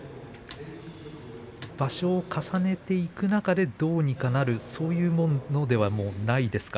場所を重ねていく中でどうにかなる、そういうものではないですか。